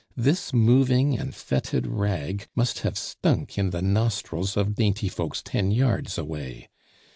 This moving and fetid rag must have stunk in the nostrils of dainty folks ten yards away.